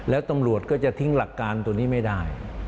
แล้วตำรวจก็จะทิ้งหลักการตัวนี้ไม่ได้